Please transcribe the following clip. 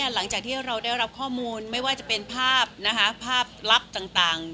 หลังจากที่เราได้รับข้อมูลไม่ว่าจะเป็นภาพภาพลับต่าง